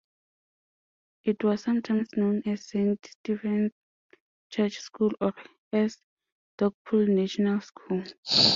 It was sometimes known as Saint Stephen's Church School, or as Dogpool National School.